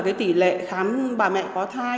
cái tỷ lệ khám bà mẹ có thai